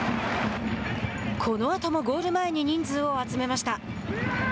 このあともゴール前に人数を集めました。